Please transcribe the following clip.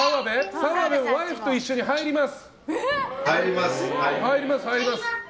澤部はワイフと一緒に入ります。